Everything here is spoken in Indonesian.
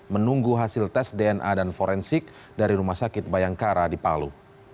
menunggu hasil tes dna dan forensik dari rumah sakit bayangkara di palu